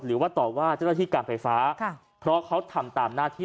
หรือว่าต่อว่าเจ้าหน้าที่การไฟฟ้าค่ะเพราะเขาทำตามหน้าที่